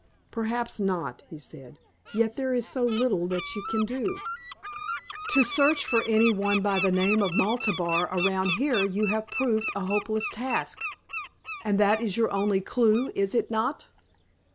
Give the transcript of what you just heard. "Perhaps not," he said; "yet there is so little that you can do. To search for any one by the name of Maltabar around here you have proved a hopeless task; and that is your only clue, is it not?"